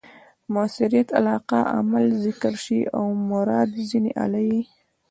مؤثریت علاقه؛ عمل ذکر سي او مراد ځني آله يي.